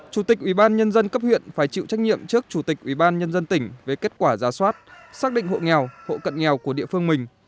chủ tịch ubnd cấp huyện phải chịu trách nhiệm trước chủ tịch ubnd tỉnh với kết quả giả soát xác định hộ nghèo hộ cận nghèo của địa phương mình